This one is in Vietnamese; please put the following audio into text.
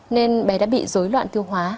nên bé đã bị dối loạn tiêu hóa